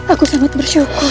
aku sangat bersyukur